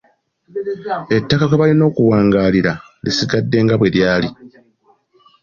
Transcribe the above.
Ettaka kwe balina okuwangaalira lisigadde nga bwe lyali.